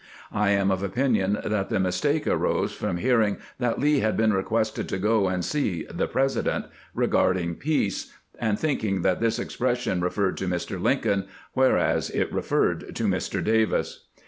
I am of opinion that the mistake arose from hearing that Lee had been requested to go and see the " President " regarding peace, and thinking that this expression re ferred to Mr. Lincoln, whereas it referred to Mr. Davis.